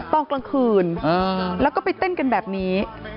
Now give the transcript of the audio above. ตอนกลางคืนแล้วก็ไปเต้นกันแบบนี้